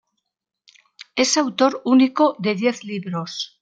Es autor único de diez libros.